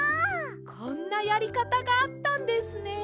こんなやりかたがあったんですね！